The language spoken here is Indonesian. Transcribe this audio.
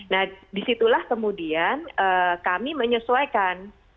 nah disitulah kemudian kami menyesuaikan